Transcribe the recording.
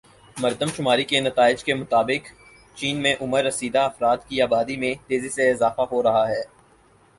مردم شماری کے نتائج کے مطابق چین میں عمر رسیدہ افراد کی آبادی میں تیزی سے اضافہ ہو رہا ہے